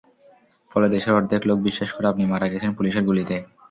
ফলে দেশের অর্ধেক লোক বিশ্বাস করে, আপনি মারা গেছেন পুলিশের গুলিতে।